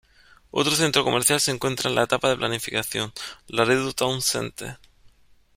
Otro centro comercial se encuentra en las etapas de planificación, Laredo Town Center.